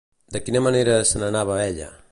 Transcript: De quina manera se n'anava ella?